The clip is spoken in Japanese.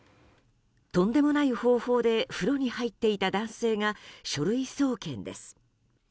とんでもない方法でふろに入っていた男性が書類送検です。